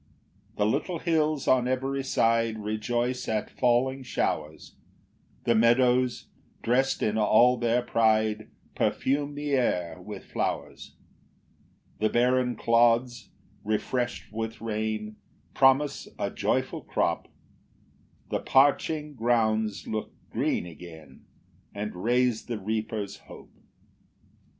4 The little hills on every side Rejoice at falling showers; The meadows, drest in all their pride, Perfume the air with flowers. 5 The barren clods, refresh'd with rain, Promise a joyful crop; The parching grounds look green again, And raise the reaper's hope.